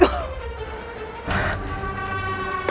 kita perlu berusaha